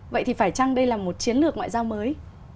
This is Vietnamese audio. vậy thì phải chăng đây là một chiến lược ngoại giao mới